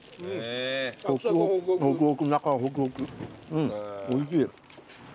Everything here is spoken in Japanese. うんおいしい。